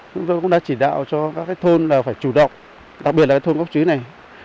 chúng tôi cũng đã chỉ đạo cho các cái thôn là phải chủ động đặc biệt là cái thôn gốc trí này